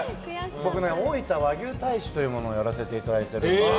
僕、大分和牛大使というものをやらせていただいてて。